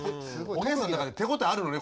おげんさんの中で手応えあるのね